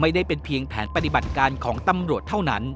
ไม่ได้เป็นเพียงแผนปฏิบัติการของตำรวจเท่านั้น